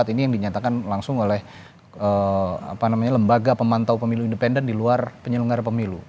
ini yang dinyatakan langsung oleh lembaga pemantau pemilu independen di luar penyelenggara pemilu